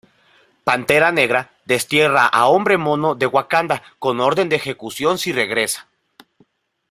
Pantera Negra destierra a Hombre Mono de Wakanda con orden de ejecución si regresa.